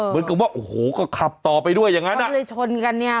เหมือนกับว่าโอ้โหก็ขับต่อไปด้วยอย่างนั้นอ่ะก็เลยชนกันเนี่ย